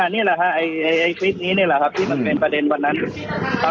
นี่แหละฮะไอ้คลิปนี้นี่แหละครับที่มันเป็นประเด็นวันนั้นครับ